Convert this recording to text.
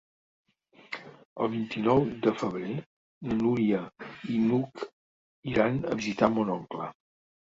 El vint-i-nou de febrer na Núria i n'Hug iran a visitar mon oncle.